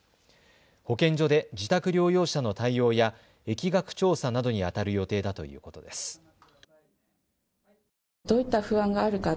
保健所で自宅療養者の対応や疫学調査などにあたる予定だということです。